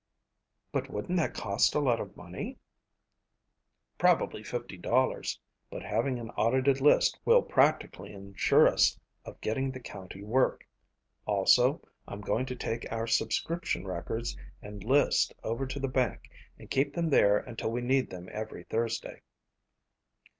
"But wouldn't that cost a lot of money?" "Probably $50 but having an audited list will practically insure us of getting the county work. Also, I'm going to take our subscription records and list over to the bank and keep them there until we need them every Thursday."